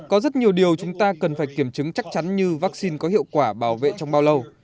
có rất nhiều điều chúng ta cần phải kiểm chứng chắc chắn như vaccine có hiệu quả bảo vệ trong bao lâu